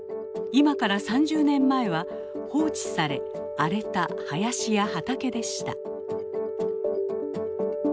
今から３０年前は放置され荒れた林や畑でした。